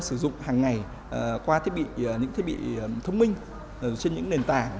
dần dần sử dụng hàng ngày qua những thiết bị thông minh trên những nền tảng